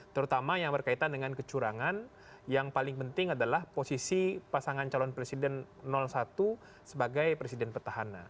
terutama yang berkaitan dengan kecurangan yang paling penting adalah posisi pasangan calon presiden satu sebagai presiden petahana